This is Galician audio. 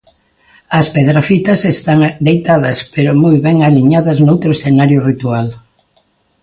As pedrafitas están deitadas, pero moi ben aliñadas noutro escenario ritual.